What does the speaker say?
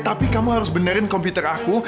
tapi kamu harus benerin komputer aku